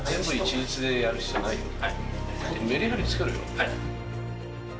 はい。